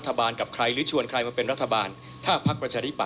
ที่เราอย่างเรียบร้อยเรื่องของนักดนตรี